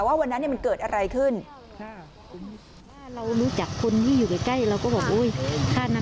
ว่าวันนั้นมันเกิดอะไรขึ้น